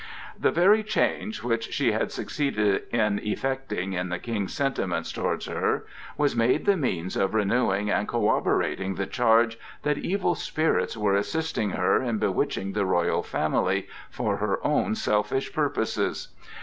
The very change which she had succeeded in effecting in the King's sentiments toward her was made the means of renewing and corroborating the charge that evil spirits were assisting her in bewitching the royal family for her own selfish purposes.